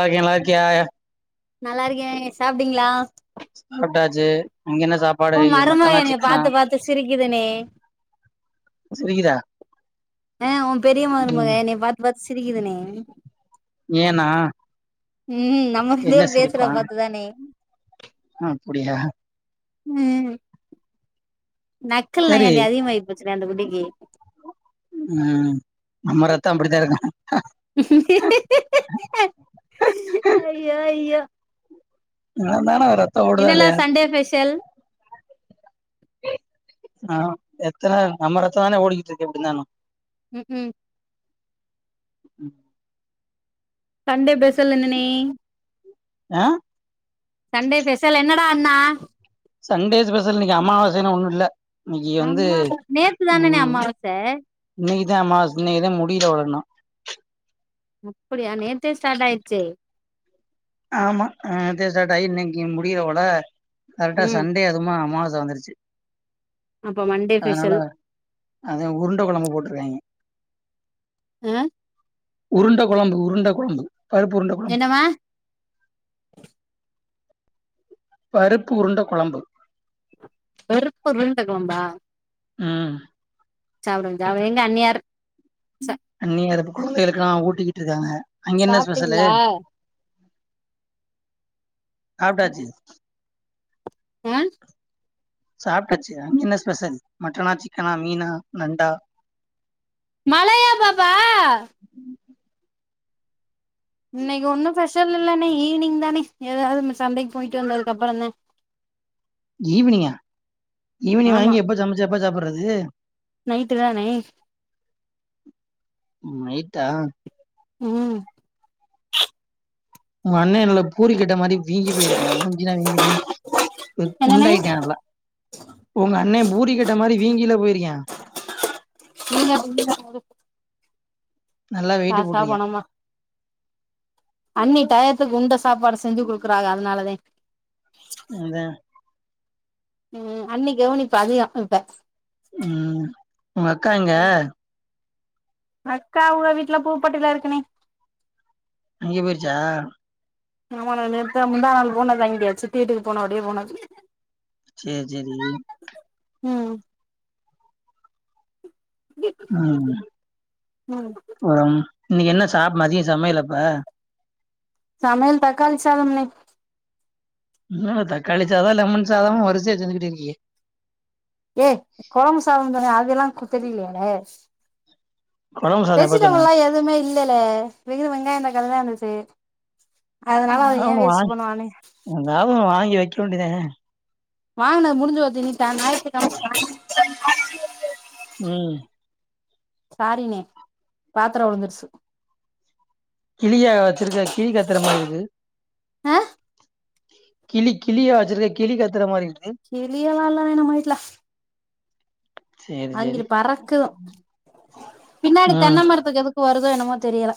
பாக்கிய நல்லாருக்கியா நல்லாருக்கே சாப்டீங்ளா சாப்ட்டாச்சு நீங்க என்ன சாப் ஓ மருமக என்னைய பாத்து பாத்து சிரிக்குதுனே சிரிக்குதா அ உன் பெரிய மருமக ம் என்னைய பாத்து பாத்து சிரிக்குதுனே ஏனா ம் நம்ம ரெண்டு என்ன பேரு பேசுறத பாத்துதானே ஆ அப்புடியா ம் நக்கல் சரி நயாண்டி அதிகமாயி போச்சுறா அந்த குட்டிக்கி அ நம்ம ரத்த அப்டித்தா இருக்கு ஐயோ ஐயோ அதனால ரத்தோ ஓடுதா என்னல்லா இல்லையா சண்டே ஸ்பெஷல் ஆ எத்தன நம்ம ரத்த தான ஓடிகிட்டு இருக்கு எப்டிந்தாலு ம்க்கு சண்டே ஸ்பெஷல் என்னனே ஆ சண்டே பெஷல் என்னடா அண்ணா சண்டே ஸ்பெஷல் இன்னைக்கு அமாவாசைன்னா ஒன்னு இல்ல இன்னைக்கி வந்து அம்மா நேத்து தானனே ம் அம்மாவாச இன்னைக்கிதா அமாவாஸ் இன்னைக்குதான் முடியில வளரணு அப்படியா நேத்தே ஸ்டார்ட் ஆயிரிச்சே ஆமா அ நேத்தே ஸ்டாட் ஆகி இன்னைக்கி முடியிறவல கரெக்டா சன் ம் சண்டே அதுமா அமாவாச வந்துருச்சி அப்ப மண்டே அதனால ஸ்பெஷல் அதே உருண்ட கொழம்பு போட்ருக்காங்ங அ உருண்ட கொழம்பு உருண்ட கொழம்பு பருப்பு உருண்ட கொழம்பு என்னவா பருப்பு உருண்ட கொழம்பு வெறுப்பு ருண்ட கொழம்பா ம் சாப்புடுங்க சாப்புடுங்க எங்க அண்ணியார் ச அண்ணியார் இப்ப கொழந்தைகளுக்குல்லா ஊட்டிக்கிட்டு இருக்காங்க அங்க என்ன ஸ்பெஷலு சாப்ட்டீங்களா சாப்ட்டாச்சி அ சாப்ட்டாச்சு அங்க என்ன ஸ்பெஷல் மட்டனா சிக்கனா மீனா நண்டா மலையா பாப்பா இன்னைக்கி ஒன்னு ஃபெஷல் இல்லண்னே ஈவ்னிங் தானே எதாவ்து சந்தைக்கு போயிட்டு வந்ததுக்குப்புறொந்தே ஈவினிங்கா ஈவினிங் ஆமா வாங்கி எப்ப சமைச்சு எப்ப சாப்புறது நைட்டு தானே ம் நைட்டா ம் உங்க அண்ண என்ல பூரி கட்ட மாரி வீங்கி போயிருக்கா மூஞ்சிளா வீங்கி போய் என்னனே குண்டாயிட்டா நல்லா உங்க அண்ணே பூரி கட்ட மாரி வீங்கில போயிருக்கியா [unintelligible] நல்லா வெயிட்டு காசா போட்டிருக்கேன் பணமா அண்ணி டயத்துக்கு உண்ட சாப்பாடு செஞ்சு குடுக்குறாக அதனாலதே அதா ம் அண்ணி கவனிப்பு அதிகோ இப்ப ம் உங்க அக்கா எங்க ம் அக்கா அவுக வீட்ல பூப்பட்டில இருக்குண்ணே அங்கெ போயிருச்சா ஆமாண்ணே நேத்தா முந்தா நாள் போனது அங்கெ ட சித்தி வீட்டுக்கு போனவடியே போனது சேரி சேரி ம் ம் [unintelligible] ம் இன்னக்கி என்ன சாப் மதிய சமையலப்ப சமையல் தக்காளி சாதம் ண்ணே ம் தக்காளி சாதொ லெமன் சாதொ வருசையா சொல்லிக்கிட்டே இருக்கியே ஏ கொழம்பு சாதம்ன் சொன்னே அதெல்லா கு தெரிய்லயாண்ணே குழம்பு சாதம் எப்ப சொன்ன வெஜிடபுள்லா எதுவுமே இல்லெல வெறு வெங்காயந் தக்காளி தா இருந்துச்சு அதனால அத ஏ எதாவ்து வேஸ்ட் வாங்கி பண்ணுவானே எதாவ்து வாங்கி வைக்க வேண்டியதான வாங்குனது முடிஞ்சு போச்சு இனிதா [unintelligible] ம் சாரிண்ணே பாத்தரொ உழுந்துருச்சு கிளியா வச்சிருக்க கிளி கத்துற மாரி இருக்கு ஆ கிளி கிளியா வச்சிருக்க கிளி கத்துற மாரிருக்கு கிளி எல்லா இல்லணே நம்ம வீட்ல சரி சரி அங்கிரு பறக்கு பின்னாடி ம் தென்ன மரத்துக்கு எதுக்கு வருதோ என்னமோ தெரியல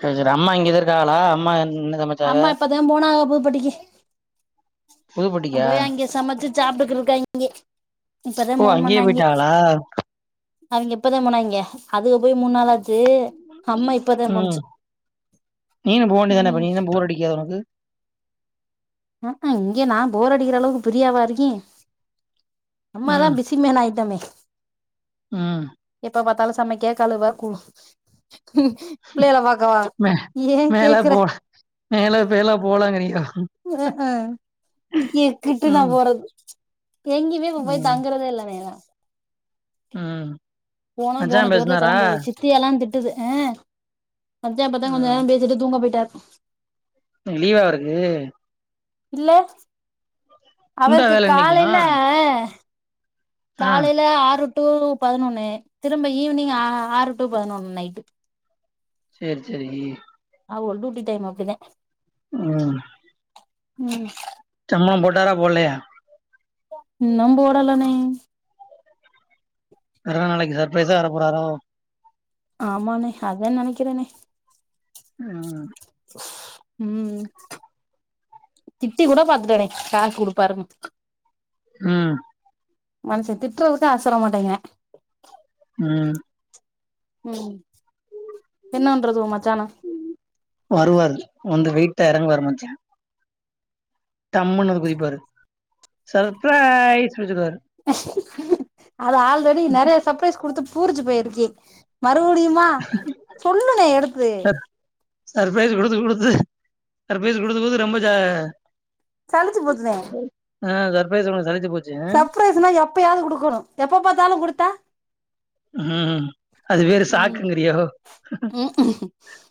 சேர் சேரி அம்மா இங்கதே இருக்காகலா அம்மா [unintelligible] அம்மா இப்பதே போனாக பூப் பட்டிக்கி நா புதுப்பட்டிக்கா போயி அங்கெ சமச்சு சாப்டுக் இருக்காங்கே இப்பதா ஓ ஃபோன் அங்கேயே பண்ணாங்கே போயிட்டாங்களா அவெங்க இப்பதே போனாங்கே அதுக போய் மூன் நாளாச்சு அம்மா இப்பதே ம் போனுச்சு ம் பிடிக்காது ஒனக்கு இங்க நா போர் அடிக்கிற அளவுக்கு பிரியாவா இருக்கே அம்மாதா ம் பிசி [unintelligible] ஐட்டமே ம் எப்ப பாத்தாலு சமைக்க கழுவ கு பிள்ளைகல பாக்கவா மே ஏ மேல கேக்குற போ மேல பேல போலங்கிறியா ம் ம் எங்க்குட்டு நா ம் போறது எங்கெய்மே இப்ப போய் ம் தங்குறதே இல்லண்ணே நா ம் [unintelligible] மச்சா போன ஜோர்லே பேசுனாரா கெளம்பிருச்சு சித்தியலா திட்டுது ம் அத்தே இப்பதே கொஞ்ச ம் நேரொ பேசிட்டு தூங்க போயிட்டாரு லீவா இருக்கு இல்லெ உண்டா அவருக்கு வேல இன்னைக்கு காலைல ஆ காலைல ஆறு டூ பதினொன்னு திரும்ப ஈவினிங் ஆறு டு பதினொன்னு நைட்டு சேரி சேரி அவுகள் டூட்டி டைம் அப்டிதே ம் ம் சம்பளம் போட்டாரா போட்லையா இன்னம் போடல ணே அதா நாளக்கி சர்ப்ரைஸா வரப்போறாரோ ஆமாண்ணே அதே நெனக்கிறெண்ணே ம் ம் திட்டி கூட பாத்துட்டேணே காஸ் குடுப்பாருன்னு ம் மனுஷே திட்றதுக்கு ஆசர மாட்டெங்கிறே ம் ம் என்னவண்றது ஒ மச்சான வருவாரு வந்து வெயிட்டா எறங்குவாரு மச்சா டம்மன்னு வந்து குதிப்பாரு சர்ப்ரைஸ் வச்சக்குவாரு அது ஆல்ரெடி நெறைய சர்பரைஸ் கொடுத்து பூரிஞ்சு போயிருக்கு மறுபடியுமா சொல்லுங்க எடுத்து சர்ப்ரைஸ் குடுத்து குடுத்து சர்பைஸ் குடுத்து குடுத்து ரொம்ப ஜா சல்லுச்சு போச்சுனே ஆ சர்ப்ஸ் உனக்கு சலிச்சு போச்சு சர்பரைஸ்னா எப்பயாவது கொடுக்கணு எப்ப பாத்தாலு கொடுத்தா ம் அது வேரு ம் சாக்குங்கிறியோ ம்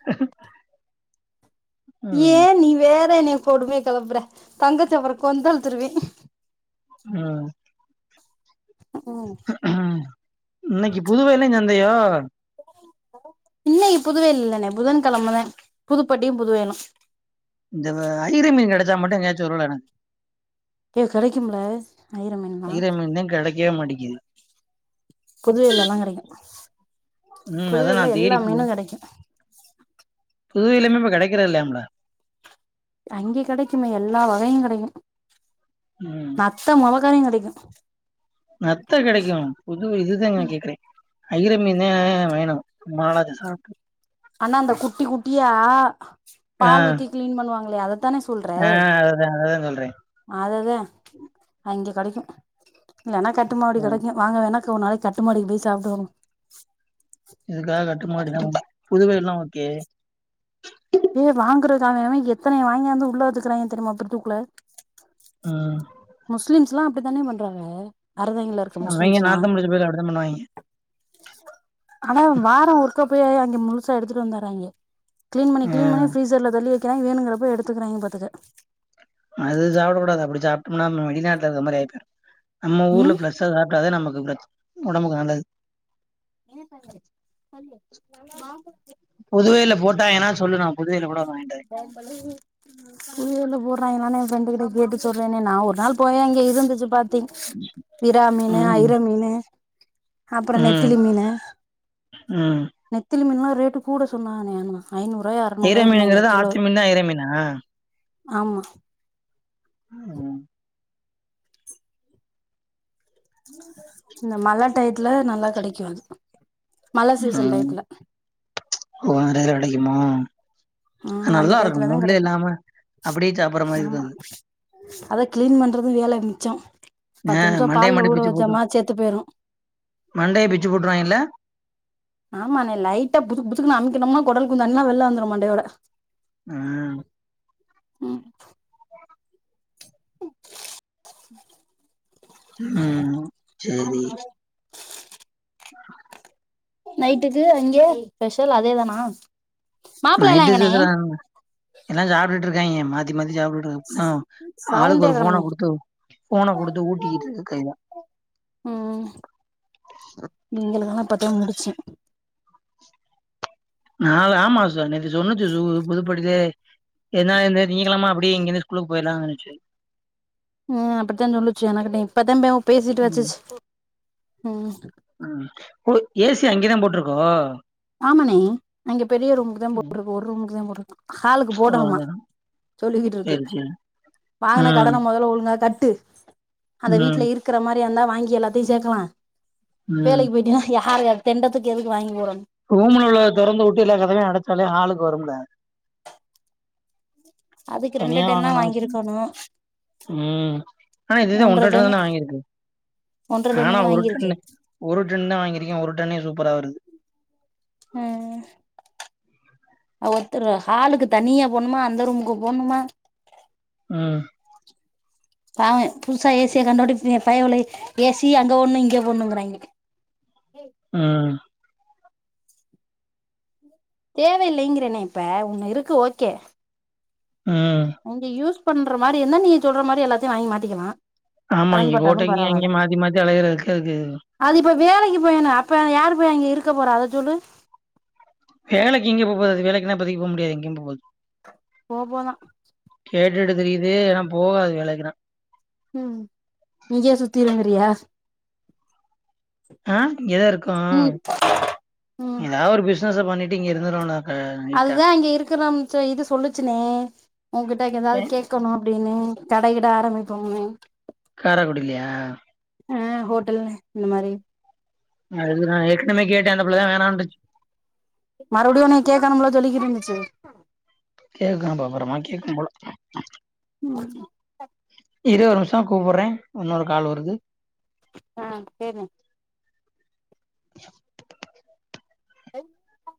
ஏ ம் நீ வேற என்ன கொடுமைய கெலப்புற தங்கச்சி அப்பறோ கொந்தளிச்சிடுவே அ ம் இன்னைக்கு புதுவயலையு சந்தையோ இன்னைக்கு புதுவயல் இல்லனே புதன்கெழமதா புதுப்பட்டியு புதுவயலு இந்த ஐற மீன் கெடச்சா மட்டு சொலுட எனக்கு [unintelligible] டே கெடைக்கும்ல ஐயர மீன்லா ஐற மீன் தா கெடைகவே மாடிக்கிது புதுவயல்ல லா கெடைக்கு ம் அதா புதுவயல் நா ல எல்லா தேடி மீனு கெடைக்கு புதுவயல்லயு இப்ப கெடைக்கிறது இல்லயாம்ல அங்கே கெடைக்குமே எல்லா வகையு கெடைக்கு ம் மொலகானி கெடைக்கு நத்த கெடைக்கு புது இதுதா நா கேக்குறே ஐற மீன் தே வேணு ரொம்ப நாள் ஆச்சு சாப்ட்டு ஆனா அந்த குட்டி குட்டியா ஆ பால் ஊத்தி கிளீன் பண்ணுவாங்களே அதத்தானே சொல்ற ஆ அதுதா அதுதா சொல்றே அதுத அங்க கெடைக்கு இல்லனா கட்டுமா அப்டி கெடைக்கு வாங்க வேணா ஒருநாளைக்கு கட்டுமாடிக்கு போய் சாப்ட்டு வருவோ இதுக்காக கட்டுமாடி தா புதுவயல் நா ஓகே எ வாங்குறதானேவே எத்தன வாங்காந்து உள்ள வச்சுக்கிறானுங்க தெரியுமா ஃபிரிச்சிக்குள்ள ஆ முஸ்லிம்ஸ் எல்லா அப்டித்தானே பண்றாங்க அறதாங்கில இருக்கற அவைங்க முஸ்லிம்ஸ் எல்லா நாத்தம் புடிச்ச பயலுக அப்டித்தா பண்ணுவாய்ங்க ஆனா வாரோ ஒருக்கா போய் அங்க முழுசா எடுத்துட்டு வந்துராங்க கிளீன் பண்ணி கிளீன் ம் பண்ணி ஃபிரிசார்ல தள்ளி வெக்குறாக வேண்ணுன்றப்போ எடுத்துகிறாங்க பாத்துக அது சாப்புடகூடாது அப்டி சாப்டோம்னா நம்ம வெளிநாட்டுல இருக்க மாரி ஆயி போய்டு நம்ம ஊர்ல ம் ப்ளஸ் சாப்பிட்டதே நமக்கு ஒடம்புக்கு நல்லது [unintelligible] நெறைய டைம் இருக்கு புதுவயல் ல போட்டாங்கன்னா சொல்லு நா புதுவைல கூட ஒன்னு வாங்கிட்டு வரே [unintelligible] புதுவயல்ல போட்றாங்களா எ பிரெண்டு கிட்ட கேட்டு சொல்றேனே நா ஒரு நாள் போய் அங்க இருந்துச்சு பாத் விரா மீன்னு ம் ஐர மீன்னு அப்பறோ ம் நெத்திலி மீன்னு ம் நெத்திலி மீன்லா ரேட்டு கூட சொன்னாங்கனே ஐநூறுயா அற ஐயிர மீனுங்கிறது ஆத்து மீன் தா ஐற மீனா ஆமா ம் இந்த மழ டையத்துல நல்லா கடைக்கும் அது மழ சீசன் டையத்துல உன் கடைல கெடைக்குமோ ம் அந்த நல்லா இருக்கும் டயத்துல தா முள்ளே கெடைக்கு இல்லாம அப்டியே சாப்டற மாரி இருக்கும் ஆமா அது அத கிளீன் பண்றதும் வேல மிச்சம் ஆ பத்து நிமிஷம் மண்டைய பால்ல மட்டு ஊற வச்சமா சேத்து போயிரும் மண்டேய பிச்சு போட்டுருவங்ல்ல ஆமா அண்ணே லைட்டா புசுக்கு புசுக்கு அமக்கணும்னா குடல் குந்த எல்லாம் வெளிய வந்துரும் மாண்டையோட ஆ ம் ம் செரி [unintelligible] நைட்டுக்கு அங்க ஸ்பெஷல் அதே தானா நைட் ஸ்பெஷல் அதாங்க எல்லா சாப்ட்டுட்டு இருக்காங்க மாத்தி மத்தி சாப் ப்பதா ஆளுக்கு சவுண்டே ஒரு ஃபோன காணுமே கொடுத்து ஃபோனை கொடுத்து ஊட்டிக்கிட்டு இருக்கு கைதா ம் எங்களுக்குல்லா பத்தியம் முடிச்சு நாலு ஆமா ச நெத்து சென்னது சு புதுப்படுதே ஏனா இந்த திங்ககிழமை அப்டிய இங்கிருந்து ஸ்கூலுக்கு போய்ர்லான் நினச்ச ம் அப்டித்தான் சொல்லுச்சு எனக்கிட்ட இப்பத்தம்ப பேசிட்டு வெச்சுச்சு ம் ஒ ஏசி அங்கேதான் போட்டிருக்கோ ஆமணே நா இங்க பெரிய ரூமுக்கு தான் போட்டிருக்கு ஒரு ரூமுக்கு தான் போட்டிருக்கு ஹாலுக்கு ஓ போடணுமா அந்த சொல்லிக்கிட்டு இருக்கு சேரி சேரி வாங்கின ம் கடன முதல்ல ஒழுங்கா கட்டு அந்த ம் வீட்டல இருக்கிற மாரி வந்தா வாங்கி எல்லாத்தையும் சேக்கலா ம் வேலைக்கு போயிட்டுன்னா யாரு தெண்டத்துக்கு எதுக்கு வாங்கி போடனும் ரூம்ல உள்ள தொரந்து வுட்டு எல்ல‌ கதவை அடைச்சாலே ஹாலுக்கு வரும்ல அதுக்கு ரெண்டு தனியா டென் அ வாங்கனு அவசியம் வாங்கிருக்கணு ம் ஆனா இதுதான் ஒன்றட டன்னு டன் தா வாங்கியிருக்கு ஒன்ற டன் தான் வாங்கிருக்கு ஒரு டன்ன தான் வாங்கிருக்கேன் ஒரு டன்னே சூப்பரா வருது ஹெ அவ ஒருத்தர் ஹாலுக்கு தனியா போட்ணுமா அந்த ரூமுக்கு போட்ணுமா ம் பாவ புதுசா ஏசியா கண்டுட்டி பயபுல்லயே ஏசி அங்க ஒண்ணு இங்கே போடண்ணுங்கிறாங்க ம் தேவையில்லைங்கிறேனே இப்ப உன்னு இருக்கு ஓகே ம் இங்க யூஸ் பண்ற மாரி என்ன நீங்க சொல்ற மாரி எல்லாத்தையும் வாங்கி மாட்டிக்கலா ஆமா கடன் இங்க பட்டாலு கோட்டைக்கு பரவால்ல அங்கய மாத்தி மாத்தி அழயற வெக்கருக்கு அது இப்ப வேலைக்கு போயர்ணும் அப்ப யாரு போய் அங்க இருக்க போற அத சொல்லு வேலைக்கு எங்கே போ போது அது வேலைக்கு ன்ன இப்போதிக்கு போ முடியாது எங்கய போது போ போதா கேட்டுட்டு திரியுது ஏனா போகாது வேலைக்கு ற ம் இங்கே சுத்தி இருந்திறியா ஆ இங்கேதான் இருக்கும் ம் ம் ஏதாவது ஒரு பிஸ்னஸ் பண்ணிட்டு இங்க இருந்துரும்ண்ணா அதுதான் இங்க இருக்கிறிச்ச இது சொல்லுச்சுனே உன்கிட்ட இங்க ஏதாவது கே க்கணு அப்டின்னு கடையிட ஆரம்பிப்போ னு காரக்குடியிலயா ஆ ஹோட்டல் இந்த மாரி அதுக்கு நான் ஏற்கனவே கேட்ட அந்த புள்ள தான் வேணாம் ன்டுச்சு மறுபடியு உன்னய கேட்கணும்ல சொல்லிக்கிட்டு இருந்துச்சு கேக்கு பாப்புறமா கேக்கு போல ம் இரு ஒரு நிமிஷோ கூப்பிடுறே இன்னொரு கால் வருது ஆ பேர்னு [unintelligible]